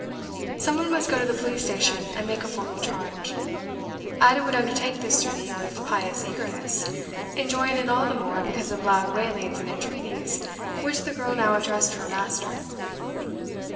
Some one must go to the police station and make a formal charge. Ada would undertake this duty with pious eagerness, enjoying it all the more because of loud wailings and entreaties which the girl now addressed to her master.